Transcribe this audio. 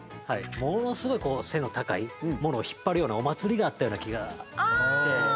ものすごい背の高いものを引っ張るようなお祭りがあったような気がして。